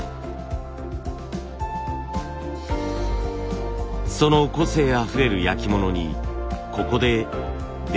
その個性あふれる焼き物にここで出会うことができます。